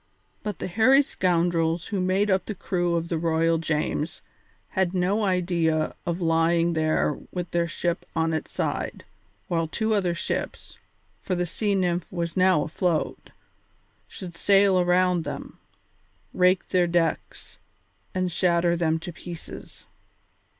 But the hairy scoundrels who made up the crew of the Royal James had no idea of lying there with their ship on its side, while two other ships for the Sea Nymph was now afloat should sail around them, rake their decks, and shatter them to pieces.